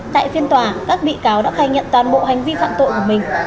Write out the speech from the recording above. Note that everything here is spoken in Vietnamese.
tại phiên tòa các bị cáo đã khai nhận toàn bộ hành vi phạm tội của mình